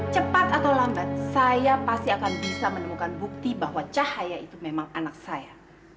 cepat atau lambat saya pasti akan bisa menemukan bukti bahwa cahaya itu memang anak saya